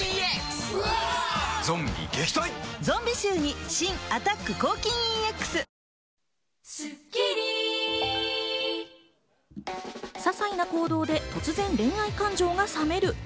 ゾンビ臭に新「アタック抗菌ＥＸ」ささいの行動で突然、恋愛感情が冷める。